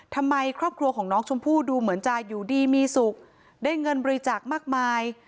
ทำไมครอบครัวของน้องชมพู่ดูเหมือนจะอยู่ดีมีสุขได้เงินบริจาคมากมาย